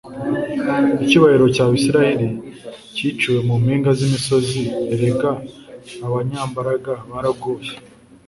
“Icyubahiro cyawe, Isirayeli, Cyiciwe mu mpinga z’imisozi! Erega abanyambaraga baraguye!